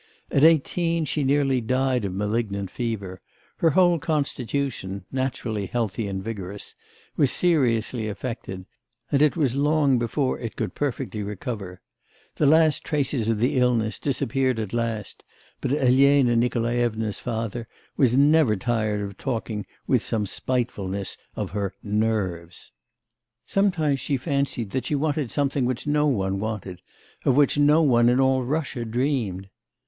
At eighteen, she nearly died of malignant fever; her whole constitution naturally healthy and vigorous was seriously affected, and it was long before it could perfectly recover; the last traces of the illness disappeared at last, but Elena Nikolaevna's father was never tired of talking with some spitefulness of her 'nerves.' Sometimes she fancied that she wanted something which no one wanted, of which no one in all Russia dreamed.